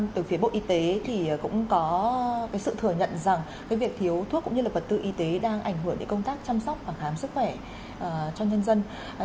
từ phía bộ y tế thì cũng có sự thừa nhận rằng việc thiếu thuốc cũng như là vật tư y tế đang ảnh hưởng đến công tác chăm sóc và khám sức khỏe cho nhân dân